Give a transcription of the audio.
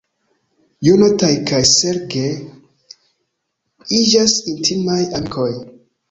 Jonathan kaj Serge iĝas intimaj amikoj.